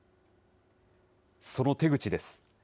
その手口です。